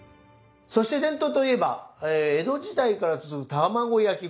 そして伝統といえば江戸時代から続く卵焼き。